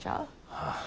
ああ。